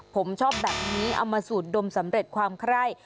ผมชอบแบบนี้เอามาสูดดมสำเร็จความไคร้